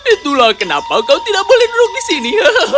itulah kenapa kau tidak boleh duduk di sini